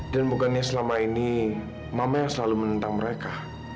dan bukannya selama ini mama yang selalu menentang mereka